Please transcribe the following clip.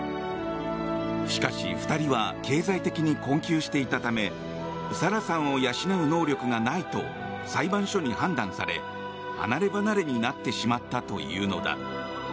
しかし、２人は経済的に困窮していたためサラさんを養う能力がないと裁判所に判断され離れ離れになってしまったというのだ。